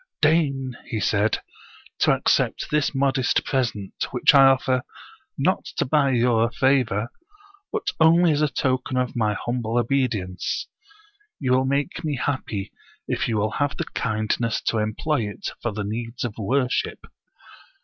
" Deign," he said, to accept this modest present, which I offer, not to buy your favor, but only as a token of my humble obedience. You will make me happy, if you will have the kindness to employ it for the needs of wor ship."